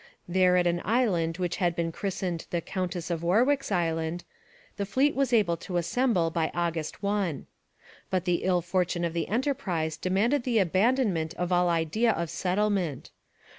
There at an island which had been christened the Countess of Warwick's Island, the fleet was able to assemble by August 1. But the ill fortune of the enterprise demanded the abandonment of all idea of settlement.